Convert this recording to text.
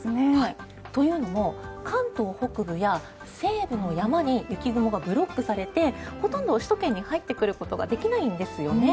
というのも関東北部や西部の山に雪雲がブロックされてほとんど首都圏に入ってくることができないんですよね。